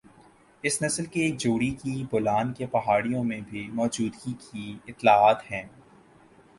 اس نسل کی ایک جوڑی کی بولان کے پہاڑیوں میں بھی موجودگی کی اطلاعات ہے